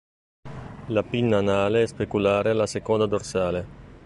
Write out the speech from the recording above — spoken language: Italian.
La pinna anale è speculare alla seconda dorsale.